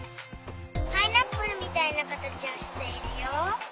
パイナップルみたいなかたちをしているよ。